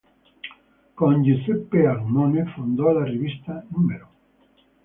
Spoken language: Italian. Con Giuseppe Ajmone fondò la rivista "Numero".